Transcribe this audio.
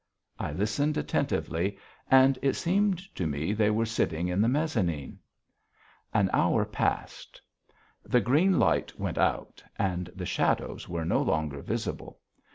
I listened attentively and it seemed to me they were sitting in the mezzanine. An hour passed. The green light went out, and the shadows were no longer visible.